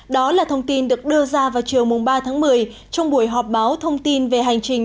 đó là thông tin được đưa ra vào chiều ba tháng một mươi trong buổi họp báo thông tin về hành trình